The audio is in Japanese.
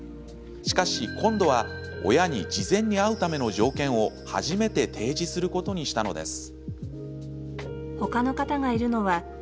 しかし、今度は親に事前に会うための条件を初めて提示することにしたのです。